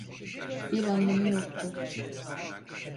Bir anlamı yoktu.